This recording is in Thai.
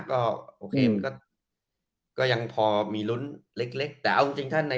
ก็โอเคมันก็ก็ยังพอมีลุ้นเล็กเล็กแต่เอาจริงจริงถ้าใน